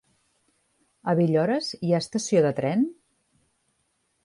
A Villores hi ha estació de tren?